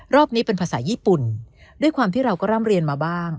นี้เป็นภาษาญี่ปุ่นด้วยความที่เราก็ร่ำเรียนมาบ้าง